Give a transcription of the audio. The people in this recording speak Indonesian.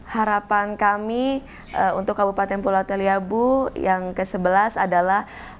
harapan kami untuk kabupaten pulau teliabu yang ke sebelas adalah